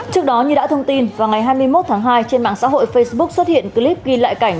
trước đó như đã thông tin vào ngày hai mươi một tháng hai trên mạng xã hội facebook xuất hiện clip ghi lại cảnh